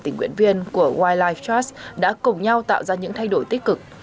các thành viên của wildlife trust đã cùng nhau tạo ra những thay đổi tích cực